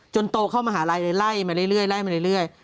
จนโตเข้ามหาลัยเลยไล่มาเรื่อย